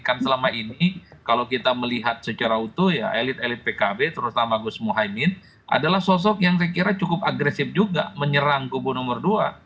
kan selama ini kalau kita melihat secara utuh ya elit elit pkb terutama gus muhaymin adalah sosok yang saya kira cukup agresif juga menyerang kubu nomor dua